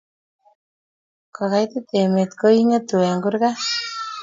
Ko kaitit emet ko ingetu eng kurgat